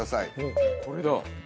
これだ。